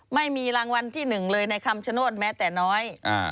ไม่มีรางวัลที่หนึ่งเลยในคำชโนธแม้แต่น้อย